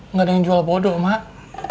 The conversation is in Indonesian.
nggak ada yang jual bodoh mak